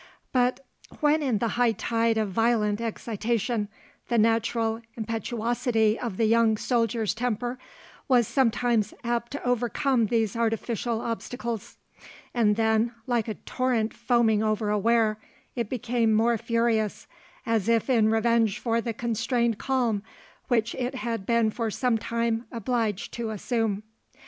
But when in the high tide of violent excitation, the natural impetuosity of the young soldier's temper was sometimes apt to overcome these artificial obstacles, and then, like a torrent foaming over a wear, it became more furious, as if in revenge for the constrained calm which it had been for some time obliged to assume.